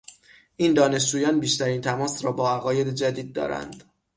این دانشجویان بیشترین تماس را با عقاید جدید دارند.